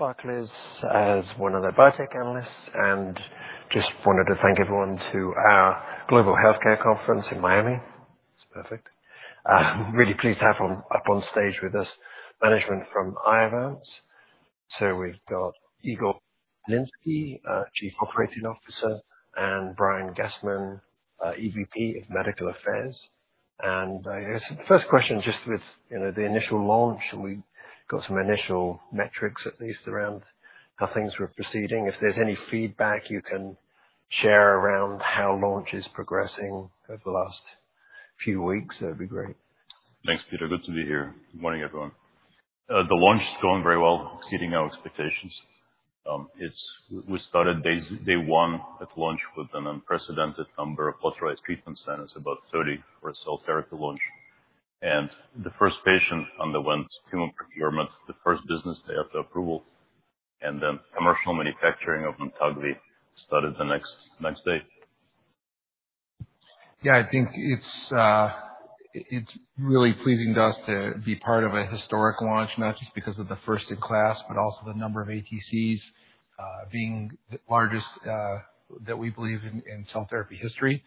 Barclays as one of their biotech analysts, and just wanted to thank everyone to our Global Healthcare conference in Miami. It's perfect. Really pleased to have them up on stage with us. Management from Iovance. So we've got Igor Bilinsky, Chief Operating Officer, and Brian Gastman, EVP of Medical Affairs. I guess the first question, just with the initial launch, and we got some initial metrics at least around how things were proceeding. If there's any feedback you can share around how launch is progressing over the last few weeks, that'd be great. Thanks, Peter. Good to be here. Good morning, everyone. The launch is going very well, exceeding our expectations. We started day one at launch with an unprecedented number of authorized treatment centers, about 30 for a cell therapy launch. The first patient underwent tumor procurement the first business day after approval, and then commercial manufacturing of Amtagvi started the next day. Yeah, I think it's really pleasing to us to be part of a historic launch, not just because of the first-in-class, but also the number of ATCs being the largest that we believe in cell therapy history.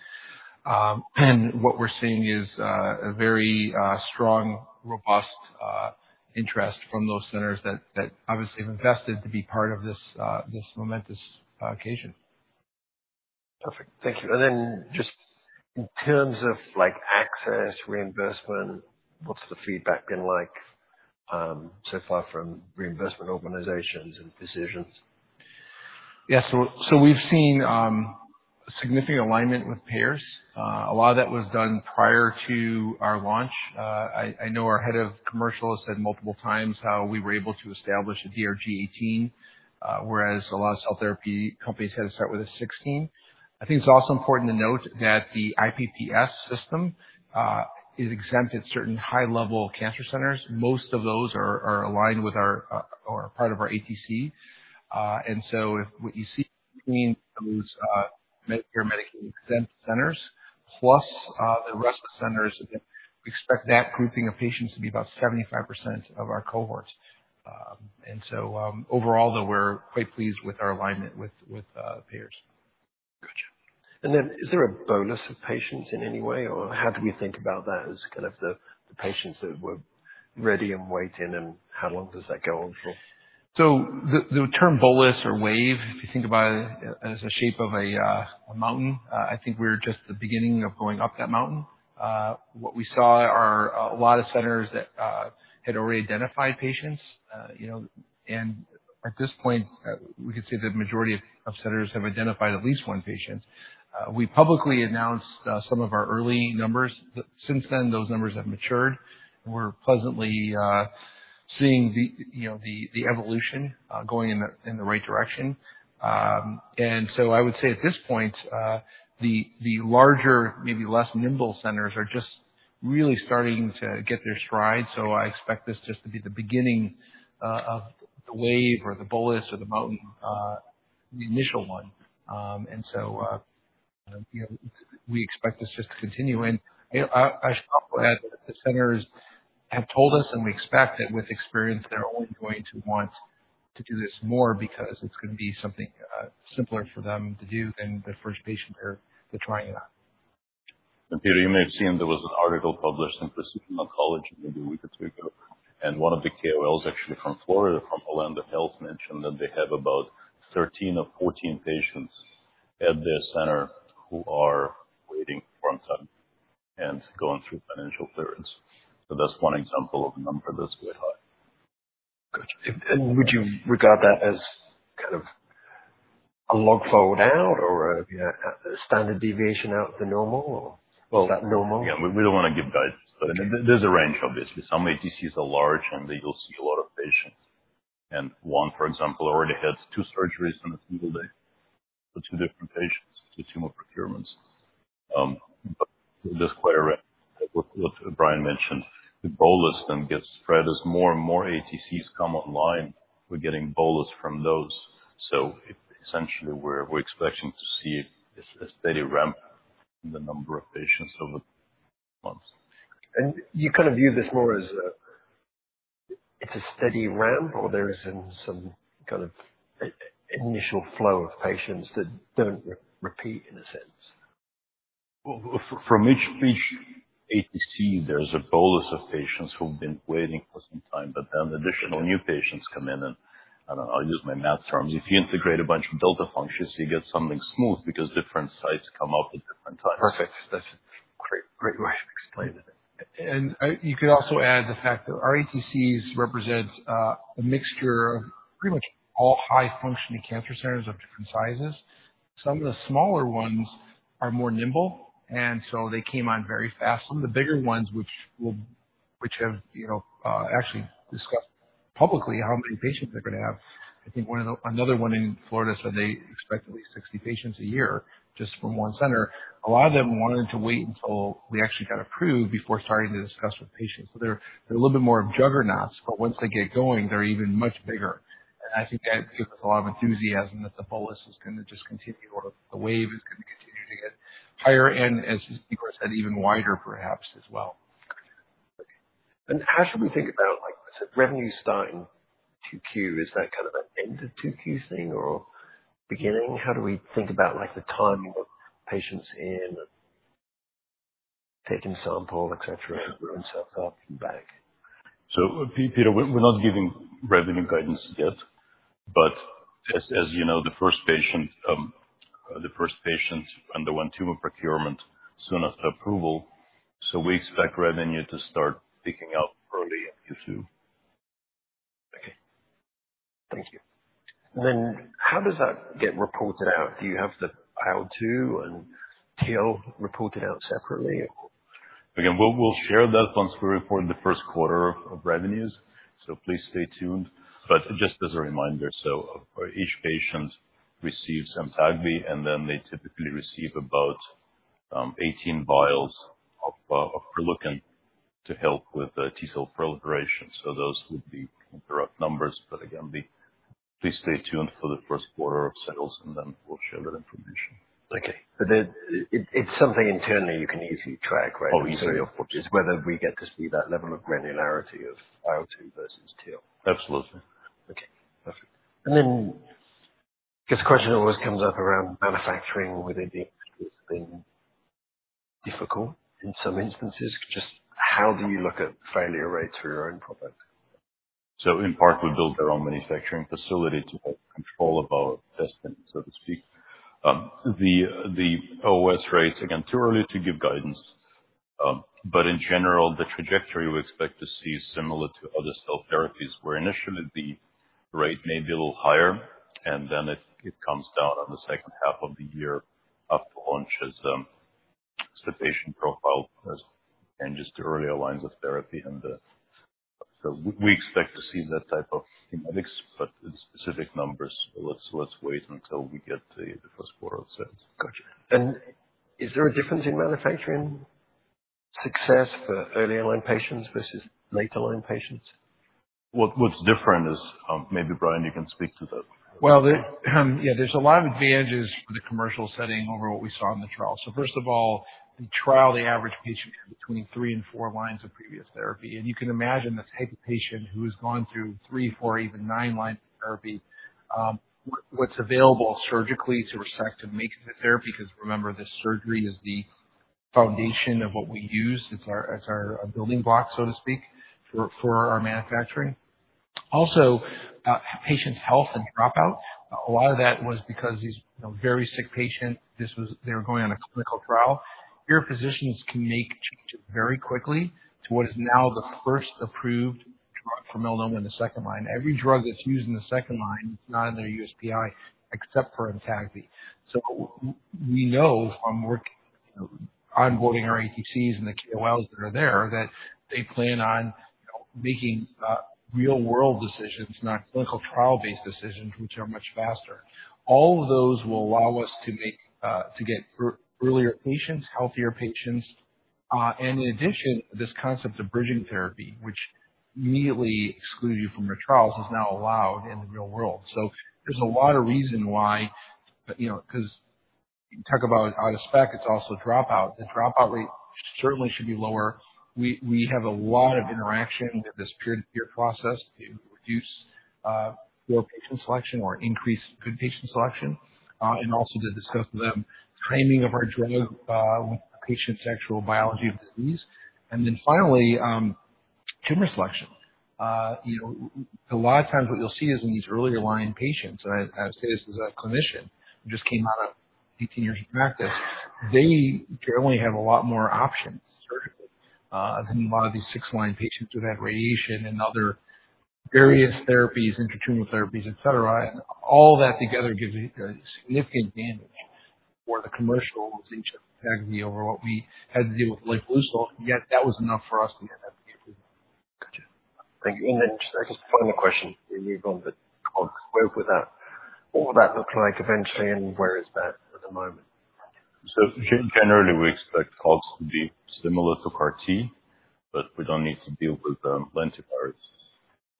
And what we're seeing is a very strong, robust interest from those centers that obviously have invested to be part of this momentous occasion. Perfect. Thank you. Just in terms of access, reimbursement, what's the feedback been like so far from reimbursement organizations and decisions? Yeah, so we've seen significant alignment with payers. A lot of that was done prior to our launch. I know our head of commercial has said multiple times how we were able to establish a DRG 18, whereas a lot of cell therapy companies had to start with a 16. I think it's also important to note that the IPPS system is exempt at certain high-level cancer centers. Most of those are aligned with our or part of our ATC. And so what you see between those Medicare/Medicaid exempt centers plus the rest of the centers, we expect that grouping of patients to be about 75% of our cohort. And so overall, though, we're quite pleased with our alignment with payers. Gotcha. And then is there a bolus of patients in any way, or how do we think about that as kind of the patients that were ready and waiting, and how long does that go on for? So the term bolus or wave, if you think about it as the shape of a mountain, I think we're just the beginning of going up that mountain. What we saw are a lot of centers that had already identified patients. And at this point, we could say the majority of centers have identified at least one patient. We publicly announced some of our early numbers. Since then, those numbers have matured, and we're pleasantly seeing the evolution going in the right direction. And so I would say at this point, the larger, maybe less nimble centers are just really starting to get their stride. So I expect this just to be the beginning of the wave or the bolus or the mountain, the initial one. And so we expect this just to continue. I should also add that the centers have told us, and we expect that with experience, they're only going to want to do this more because it's going to be something simpler for them to do than the first patient they're trying it on. Peter, you may have seen there was an article published in Precision Oncology maybe a week or two ago, and one of the KOLs, actually from Florida, from Orlando Health, mentioned that they have about 13 or 14 patients at their center who are waiting for Amtagvi and going through financial clearance. So that's one example of a number that's quite high. Gotcha. Would you regard that as kind of a log fold out or a standard deviation out of the normal, or is that normal? Well, yeah. We don't want to give guidance, but there's a range, obviously. Some ATCs are large, and you'll see a lot of patients. And one, for example, already had 2 surgeries on a single day for 2 different patients with tumor procurements. But there's quite a range. Like what Brian mentioned, the bolus then gets spread as more and more ATCs come online, we're getting bolus from those. So essentially, we're expecting to see a steady ramp in the number of patients over the months. You kind of view this more as it's a steady ramp, or there's some kind of initial flow of patients that don't repeat, in a sense? Well, from each ATC, there's a bolus of patients who've been waiting for some time, but then additional new patients come in. And I don't know, I'll use my math terms. If you integrate a bunch of delta functions, you get something smooth because different sites come up at different times. Perfect. That's a great way of explaining it. You could also add the fact that our ATCs represent a mixture of pretty much all high-functioning cancer centers of different sizes. Some of the smaller ones are more nimble, and so they came on very fast. Some of the bigger ones, which have actually discussed publicly how many patients they're going to have, I think another one in Florida said they expect at least 60 patients a year just from one center. A lot of them wanted to wait until we actually got approved before starting to discuss with patients. They're a little bit more of juggernauts, but once they get going, they're even much bigger. I think that gives us a lot of enthusiasm that the bolus is going to just continue, or the wave is going to continue to get higher, and as Igor said, even wider, perhaps, as well. How should we think about, like I said, revenue starting 2Q? Is that kind of an end of 2Q thing, or beginning? How do we think about the timing of patients in taking sample, etc., and growing stuff up and back? Peter, we're not giving revenue guidance yet. As you know, the first patient underwent tumor procurement soon after approval, so we expect revenue to start picking up early in Q2. Okay. Thank you. And then how does that get reported out? Do you have the IL-2 and TIL reported out separately, or? Again, we'll share that once we report the first quarter of revenues. Please stay tuned. Just as a reminder, each patient receives Amtagvi, and then they typically receive about 18 vials of Proleukin to help with T-cell proliferation. Those would be rough numbers. Again, please stay tuned for the first quarter of sales, and then we'll share that information. Okay. But it's something internally you can easily track, right? Oh, easily. Whether we get to see that level of granularity of IL-2 versus TIL. Absolutely. Okay. Perfect. I guess a question that always comes up around manufacturing with ATCs has been difficult in some instances. Just how do you look at failure rates for your own product? So in part, we built our own manufacturing facility to control our testing, so to speak. The OOS rates, again, too early to give guidance. But in general, the trajectory we expect to see is similar to other cell therapies where initially the rate may be a little higher, and then it comes down on the second half of the year after launch as the patient profile changes to earlier lines of therapy. And so we expect to see that type of schematics, but in specific numbers, let's wait until we get the first quarter of sales. Gotcha. Is there a difference in manufacturing success for early-in-line patients versus late-in-line patients? What's different is maybe Brian, you can speak to that. Well, yeah, there's a lot of advantages for the commercial setting over what we saw in the trial. So first of all, the trial, the average patient had between 3 and 4 lines of previous therapy. And you can imagine the type of patient who has gone through 3, 4, even 9 lines of therapy, what's available surgically to resect and make the therapy because remember, the surgery is the foundation of what we use. It's our building block, so to speak, for our manufacturing. Also, patient health and dropout, a lot of that was because these very sick patients, they were going on a clinical trial. Your physicians can make changes very quickly to what is now the first approved drug for melanoma in the second line. Every drug that's used in the second line, it's not in their USPI except for Amtagvi. So we know from onboarding our ATCs and the KOLs that are there that they plan on making real-world decisions, not clinical trial-based decisions, which are much faster. All of those will allow us to get earlier patients, healthier patients. And in addition, this concept of bridging therapy, which immediately excludes you from your trials, is now allowed in the real world. So there's a lot of reason why because you talk about out-of-spec, it's also dropout. The dropout rate certainly should be lower. We have a lot of interaction with this peer-to-peer process to reduce poor patient selection or increase good patient selection. And also to discuss with them framing of our drug with the patient's actual biology of disease. And then finally, tumor selection. A lot of times, what you'll see is in these earlier-line patients, and I say this as a clinician who just came out of 18 years of practice, they generally have a lot more options surgically than a lot of these six-line patients who've had radiation and other various therapies, intra-tumor therapies, etc. All that together gives a significant advantage for the commercials in terms of Amtagvi over what we had to deal with with Proleukin. Yet that was enough for us to get FDA approval. Gotcha. Thank you. And then I guess one more question, we move on, but COGS. What would that look like eventually, and where is that at the moment? Generally, we expect COGS to be similar to CAR-T, but we don't need to deal with lentivirus.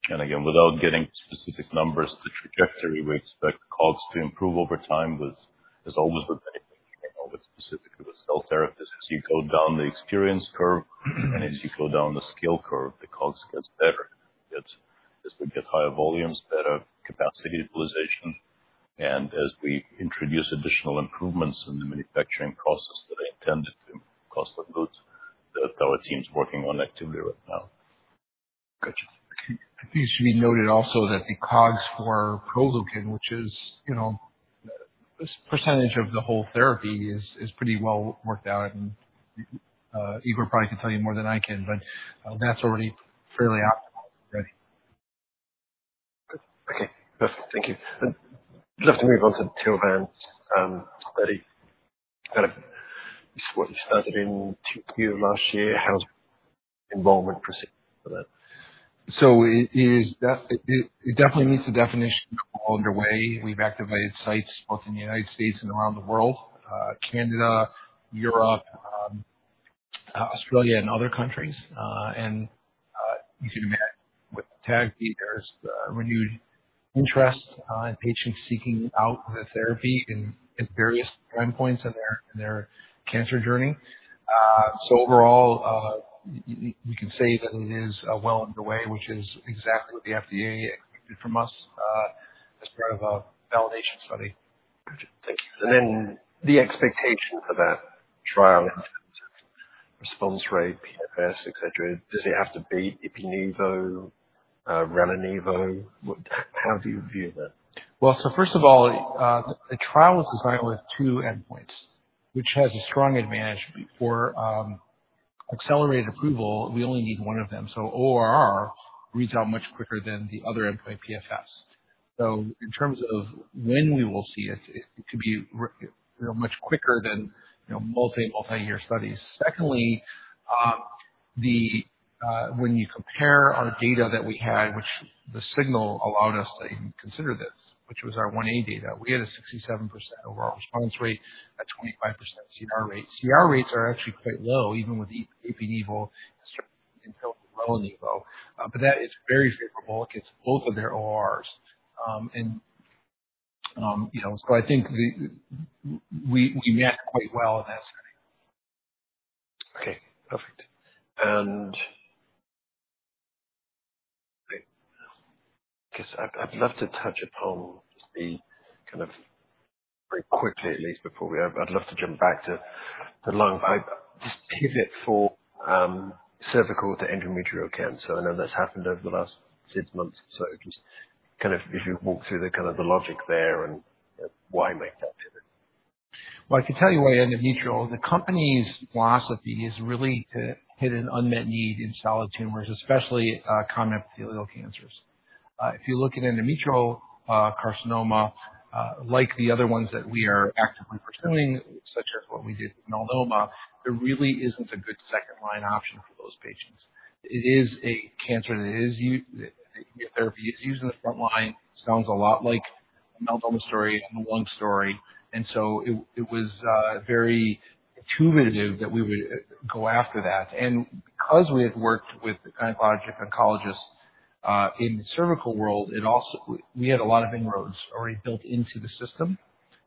Again, without getting specific numbers, the trajectory, we expect COGS to improve over time as always with medication, specifically with cell therapies. As you go down the experience curve, and as you go down the scale curve, the COGS gets better. As we get higher volumes, better capacity utilization, and as we introduce additional improvements in the manufacturing process that are intended to cost of goods that our team's working on actively right now. Gotcha. I think it should be noted also that the COGS for Proleukin, which is this percentage of the whole therapy, is pretty well worked out. And Igor probably could tell you more than I can, but that's already fairly optimized already. Okay. Perfect. Thank you. I'd love to move on to TILVANCE study. Kind of what you started in 2Q last year, how's involvement proceeding for that? It definitely meets the definition of a launch underway. We've activated sites both in the United States and around the world, Canada, Europe, Australia, and other countries. You can imagine with Amtagvi, there's renewed interest in patients seeking out the therapy in various time points in their cancer journey. Overall, we can say that it is well underway, which is exactly what the FDA expected from us as part of a validation study. Gotcha. Thank you. And then the expectation for that trial in terms of response rate, PFS, etc., does it have to beat Ipi/Nivo, Rela/Nivo? How do you view that? Well, so first of all, the trial was designed with two endpoints, which has a strong advantage. For accelerated approval, we only need one of them. So ORR reads out much quicker than the other endpoint PFS. So in terms of when we will see it, it could be much quicker than multi, multi-year studies. Secondly, when you compare our data that we had, which the signal allowed us to even consider this, which was our 1A data, we had a 67% overall response rate at 25% CR rate. CR rates are actually quite low, even with Ipi/Nivo, Rela/Nivo. But that is very favorable. It gets both of their ORRs. And so I think we match quite well in that setting. Okay. Perfect. And I guess I'd love to touch upon just the kind of very quickly, at least before we I'd love to jump back to the lungs, but just pivot for cervical to endometrial cancer. I know that's happened over the last six months or so. Just kind of if you walk through the kind of the logic there and why make that pivot. Well, I can tell you why endometrial. The company's philosophy is really to hit an unmet need in solid tumors, especially common epithelial cancers. If you look at endometrial carcinoma, like the other ones that we are actively pursuing, such as what we did with melanoma, there really isn't a good second-line option for those patients. It is a cancer that is your therapy is used in the front line. Sounds a lot like a melanoma story and a lung story. And so it was very intuitive that we would go after that. And because we had worked with gynecologic oncologists in the cervical world, we had a lot of inroads already built into the system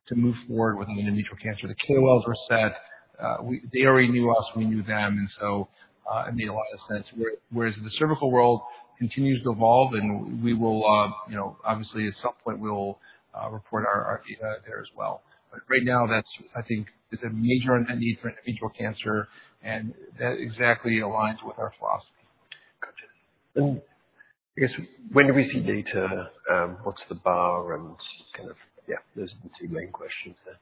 to move forward with an endometrial cancer. The KOLs were set. They already knew us. We knew them. And so it made a lot of sense. Whereas in the cervical world, it continues to evolve, and we will obviously, at some point, we'll report our data there as well. But right now, I think there's a major unmet need for endometrial cancer, and that exactly aligns with our philosophy. Gotcha. And I guess when do we see data? What's the bar? And kind of, yeah, those are the two main questions there.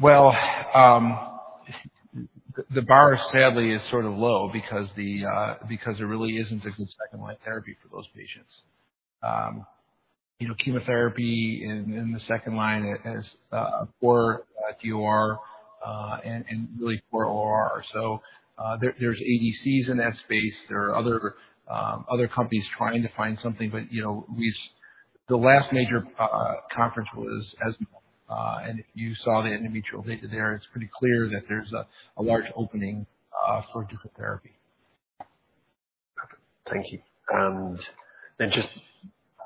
Well, the bar, sadly, is sort of low because there really isn't a good second-line therapy for those patients. Chemotherapy in the second line is poor DOR and really poor ORR. So there's ADCs in that space. There are other companies trying to find something, but the last major conference was ESMO. And if you saw the endometrial data there, it's pretty clear that there's a large opening for different therapy. Perfect. Thank you. And then just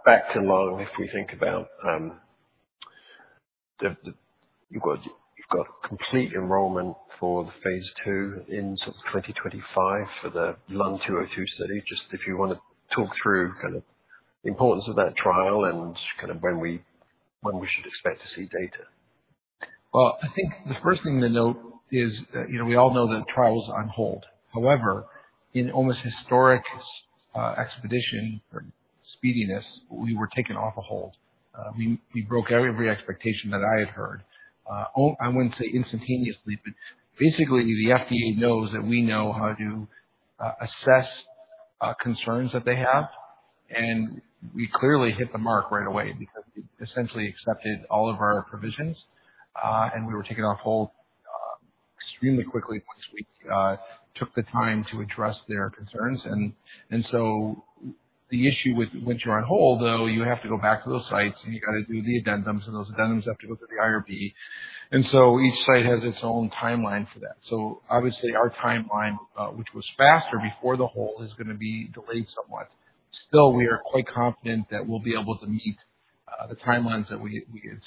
back to lung, if we think about you've got complete enrollment for the phase II, in sort of 2025 for the LUN-202 study. Just if you want to talk through kind of the importance of that trial and kind of when we should expect to see data. Well, I think the first thing to note is we all know that trial's on hold. However, in almost historic expedition or speediness, we were taken off a hold. We broke every expectation that I had heard. I wouldn't say instantaneously, but basically, the FDA knows that we know how to assess concerns that they have. And we clearly hit the mark right away because we essentially accepted all of our provisions, and we were taken off hold extremely quickly once we took the time to address their concerns. And so the issue with once you're on hold, though, you have to go back to those sites, and you got to do the addendums, and those addendums have to go through the IRB. And so each site has its own timeline for that. So obviously, our timeline, which was faster before the hold, is going to be delayed somewhat. Still, we are quite confident that we'll be able to meet the timelines that we had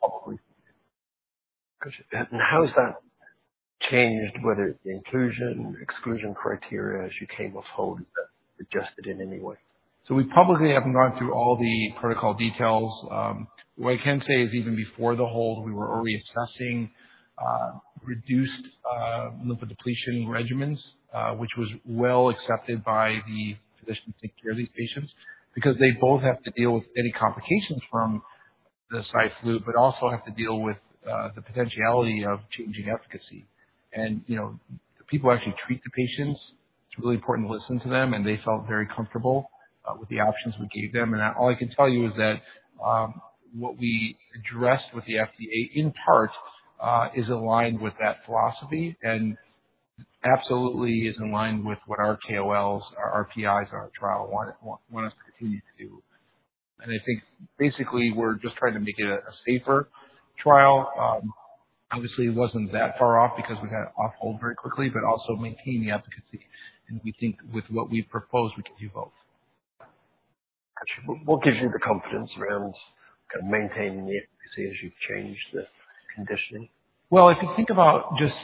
publicly. Gotcha. How has that changed, whether it's the inclusion, exclusion criteria, as you came off hold, adjusted in any way? So we publicly haven't gone through all the protocol details. What I can say is even before the hold, we were already assessing reduced lymphodepletion regimens, which was well accepted by the physicians to care for these patients because they both have to deal with any complications from the cyclo, but also have to deal with the potentiality of changing efficacy. And the people who actually treat the patients, it's really important to listen to them, and they felt very comfortable with the options we gave them. And all I can tell you is that what we addressed with the FDA, in part, is aligned with that philosophy and absolutely is in line with what our KOLs, our PIs, and our trial want us to continue to do. And I think basically, we're just trying to make it a safer trial. Obviously, it wasn't that far off because we got off hold very quickly, but also maintain the efficacy. And we think with what we've proposed, we can do both. Gotcha. What gives you the confidence around kind of maintaining the efficacy as you've changed the conditioning? Well, if you think about just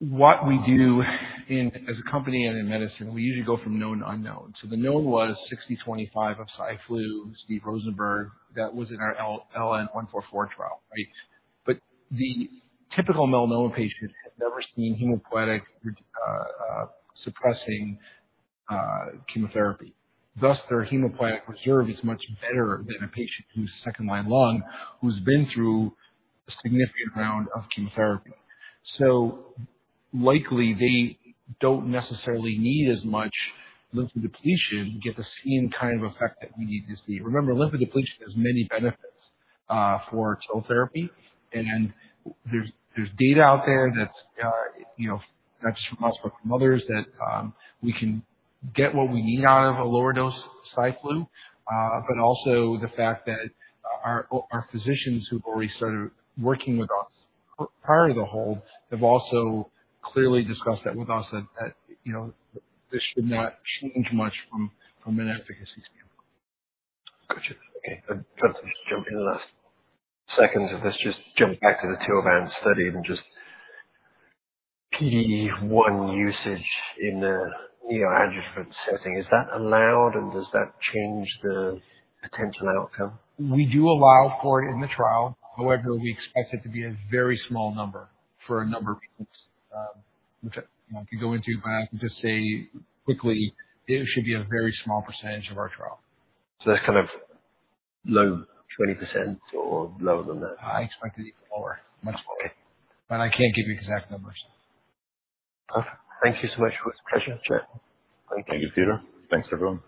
what we do as a company and in medicine, we usually go from known to unknown. So the known was 60/25 of cyclophosphamide, Steve Rosenberg. That was in our LN-144 trial, right? But the typical melanoma patient has never seen hematopoietic-suppressing chemotherapy. Thus, their hematopoietic reserve is much better than a patient who's a second-line lung who's been through a significant round of chemotherapy. So likely, they don't necessarily need as much lymphodepletion to get the same kind of effect that we need to see. Remember, lymphodepletion has many benefits for TIL therapy. And there's data out there that's not just from us but from others that we can get what we need out of a lower-dose cyclo, but also the fact that our physicians who've already started working with us prior to the hold have also clearly discussed that with us that this should not change much from an efficacy standpoint. Gotcha. Okay. I'm just going to jump in the last seconds of this, just jump back to the TILVANCE study and just PD-1 usage in the neoadjuvant setting. Is that allowed, and does that change the potential outcome? We do allow for it in the trial. However, we expect it to be a very small number for a number of patients, which I could go into, but I can just say quickly, it should be a very small percentage of our trial. That's kind of low 20% or lower than that? I expect it to be lower, much lower. But I can't give you exact numbers. Perfect. Thank you so much. It was a pleasure to chat. Thank you. Thank you, Peter. Thanks, everyone.